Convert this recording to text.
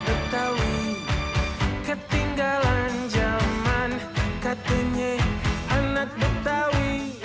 betawi ketinggalan zaman katanya anak betawi